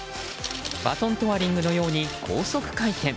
バトントワリングのように高速回転。